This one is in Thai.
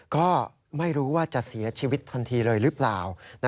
ก็ไม่รู้ว่าจะเสียชีวิตทันทีเลยหรือเปล่า